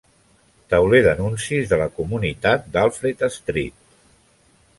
Tauler d'anuncis de la comunitat d'Alfred Street.